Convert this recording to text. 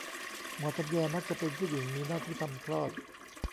หมอตำแย มักจะเป็นผู้หญิง มีหน้าที่ทำคลอด